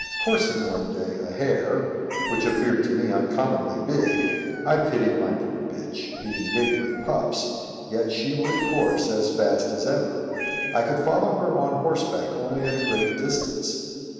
Coursing one day a hare, which appeared to me uncommonly big, I pitied my poor bitch, being big with pups, yet she would course as fast as ever. I could follow her on horseback only at a great distance.